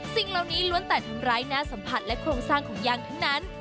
สิ่งเหล่านี้ล้วนแต่ทำร้ายหน้าสัมผัสและโครงสร้างของยางทั้งนั้น